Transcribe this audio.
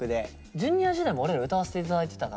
Ｊｒ．時代も俺ら歌わせていただいてたから。